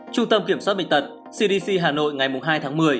trung tâm kiểm soát bệnh tật cdc hà nội ngày hai tháng một mươi